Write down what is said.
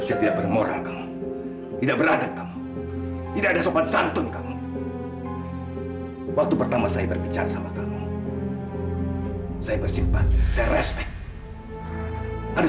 saya mau ngakuin sebagai anak aila ini mau gimana